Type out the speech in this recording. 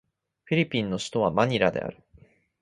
フィリピンの首都はマニラである